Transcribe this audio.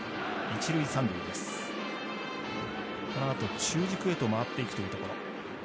このあと中軸へと回っていくというところ。